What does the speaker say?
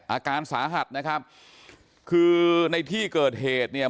อาการสาหัสนะครับคือในที่เกิดเหตุเนี่ย